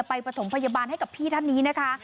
ประถมพยาบาลให้กับพี่ท่านนี้นะคะ